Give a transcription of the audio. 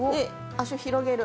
足を広げる？